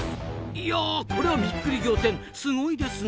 いやこりゃびっくり仰天すごいですなあ！